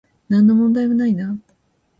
なんの問題もないな